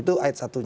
itu ayat satunya